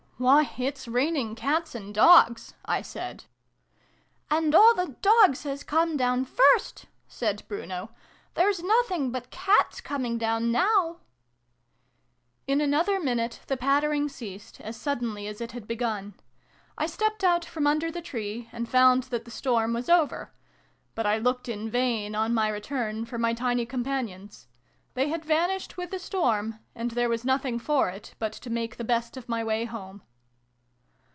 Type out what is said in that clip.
" Why, it's raining cats and dogs !" I said. "And all the dogs has come down first" said Bruno :" there's nothing but cats coming down now !" In another minute the pattering ceased, as suddenly as it had begun. I stepped out from under the tree, and found that the storm was over ; but I looked in vain, on my return, for my tiny companions. They had vanished with the storm, and there was nothing for it but to make the best of my way home.